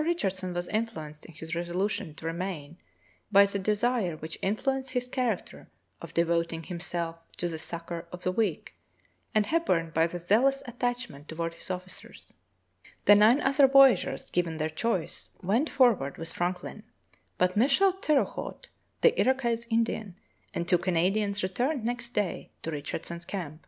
Richardson was influenced in his resolution to remain by the desire which influenced his character of devoting himself to the succor of the weak and Hepburn by the zealous attachment toward his officers." The nine other voyageurs given their choice went for Franklin on the Barren Grounds 35 ward with Frankhn, but Michel Teroahaute, the Iro quois Indian, and two Canadians returned next day to Richardson's camp.